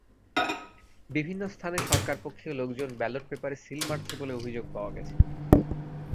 বিভিন্ন স্থানে সরকারপক্ষীয় লোকজন ব্যালট পেপারে সিল মারছে বলে অভিযাগ পাওয়া গেছে।